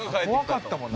怖かったもんな。